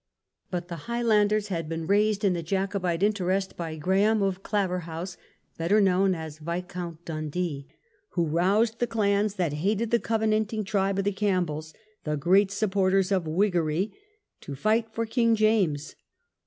But the Highlanders had been raised in the Jacobite interest by Graham of Claverhouse, better known as Viscount Dundee, who roused the clans that hated the Covenanting tribe of the Campbells, the great supporters of Whiggery, to fight for King James.